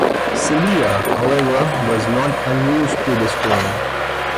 Celia, however, was not unused to this tone.